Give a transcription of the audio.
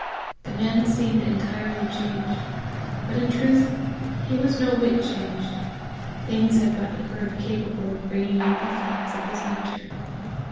The man seemed entirely changed, but in truth he was no whit changed: things had but occurred capable of bringing out the facts of his nature.